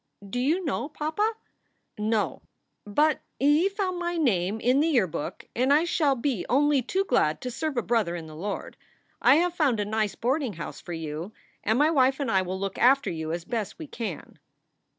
"Do you know papa?" "No, but he found my name in the Yearbook, and I shall be only too glad to serve a brother in the Lord. I have found a nice boarding house for you, and my wife and I will look after you as best we can."